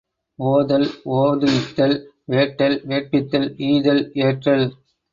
ஓதல், ஓதுவித்தல், வேட்டல், வேட்பித்தல், ஈதல், ஏற்றல்